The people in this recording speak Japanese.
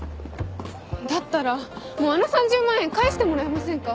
だったらもうあの３０万円返してもらえませんか？